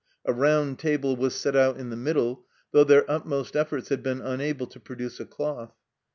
A round table was set out in the middle, though their utmost efforts had been unable to produce a cloth